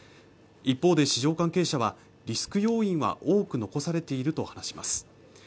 一方で市場関係者はリスク要因は多く残されていると話します